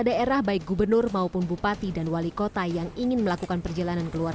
daerah baik gubernur maupun bupati dan wali kota yang ingin melakukan perjalanan keluar